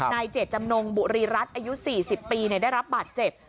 เจตจำนงบุรีรัฐอายุ๔๐ปีได้รับบาดเจ็บ